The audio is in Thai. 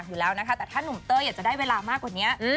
แต่ถ้าหนุ่มเต้อยากจะได้เวลามากกว่านี้